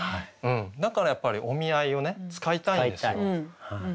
だからやっぱり「お見合い」をね使いたいんですよ。